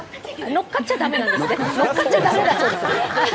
乗っかっちゃだめだそうです。